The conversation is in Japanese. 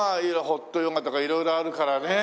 ホットヨガとか色々あるからね。